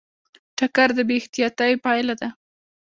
ټکر د بې احتیاطۍ پایله ده.